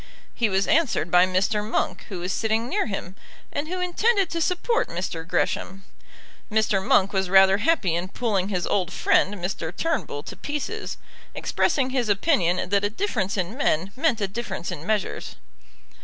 He was answered by Mr. Monk, who was sitting near him, and who intended to support Mr. Gresham. Mr. Monk was rather happy in pulling his old friend, Mr. Turnbull, to pieces, expressing his opinion that a difference in men meant a difference in measures.